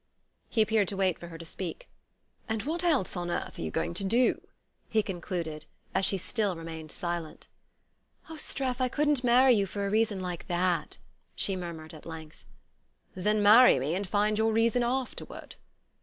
He appeared to wait for her to speak. "And what else on earth are you going to do?" he concluded, as she still remained silent. "Oh, Streff, I couldn't marry you for a reason like that!" she murmured at length. "Then marry me, and find your reason afterward."